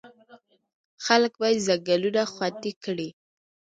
خلک باید ځنګلونه خوندي کړي.